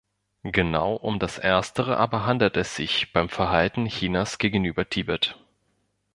Genau um das erstere aber handelt es sich beim Verhalten Chinas gegenüber Tibet.